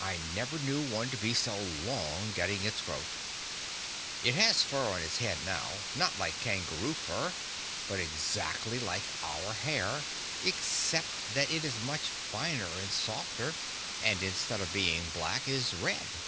I never knew one to be so long getting its growth. It has fur on its head now; not like kangaroo fur, but exactly like our hair, except that it is much finer and softer, and instead of being black is red.